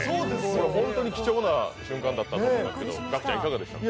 これ、本当に貴重な瞬間だったと思いますけど、ガクちゃんいかがですか？